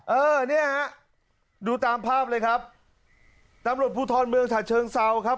เออเนี่ยฮะดูตามภาพเลยครับตำรวจภูทรเมืองฉะเชิงเซาครับ